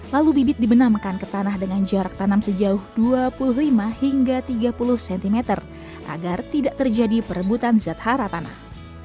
lalu bibit dibenamkan ke tanah dengan jarak tanam sejauh dua puluh lima hingga tiga puluh cm agar tidak terjadi perebutan zat hara tanah